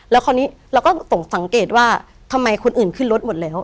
แล้วคราวนี้เราก็สังเกตว่าทำไมคนอื่นขึ้นรถหมดแล้ว